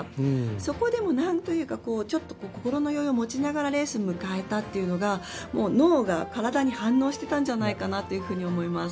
そこでも心の余裕を持ちながらレースに向かえたというのが脳が体に反応していたんじゃないかと思います。